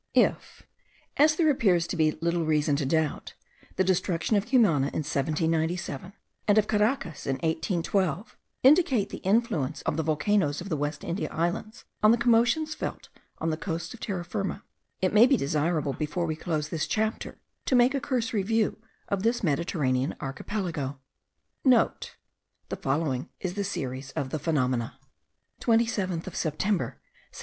If, as there appears to be little reason to doubt, that the destruction of Cumana in 1797, and of Caracas in 1812, indicate the influence of the volcanoes of the West India Islands* on the commotions felt on the coasts of Terra Firma, it may be desirable, before we close this chapter, to take a cursory view of this Mediterranean archipelago. (* The following is the series of the phenomena: 27th of September, 1796.